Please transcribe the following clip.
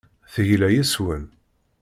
Tegla yes-wen.